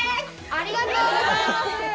ありがとうございます。